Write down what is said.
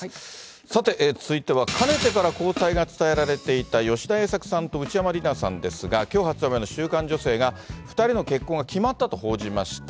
さて、続いては、かねてから交際が伝えられていた吉田栄作さんと内山理名さんですが、きょう発売の週刊女性が、２人の結婚が決まったと報じました。